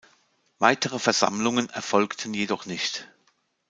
Weitere Versammlungen erfolgten jedoch nicht.